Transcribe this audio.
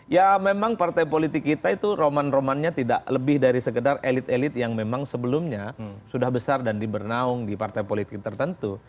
ya memang partai politik kita itu roman romannya tidak lebih dari sekedar elit elit yang memang sebelumnya sudah besar dan dibernaung di partai politik tertentu